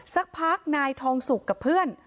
สักพักนายทองสุกกับเพื่อน